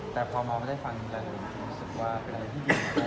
แต่พอมาหัวไม่ได้ฟังกันเลยรู้สึกว่าเป็นอะไรที่ดี